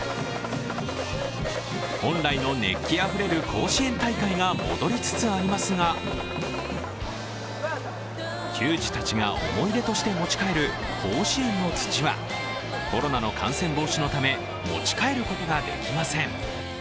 本来の熱気あふれる甲子園大会が戻りつつありますが球児たちが思い出として持ち帰る甲子園の土はコロナの感染防止のため持ち帰ることができません。